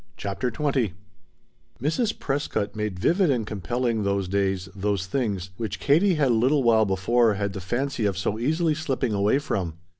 CHAPTER XX Mrs. Prescott made vivid and compelling those days, those things, which Katie had a little while before had the fancy of so easily slipping away from.